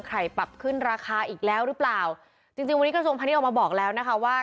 ปรับขึ้นราคาอีกแล้วหรือเปล่าจริงจริงวันนี้กระทรวงพาณิชยออกมาบอกแล้วนะคะว่า